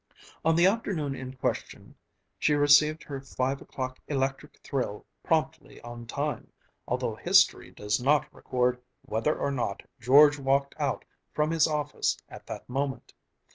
On the afternoon in question she received her five o'clock electric thrill promptly on time, although history does not record whether or not George walked out from his office at that moment.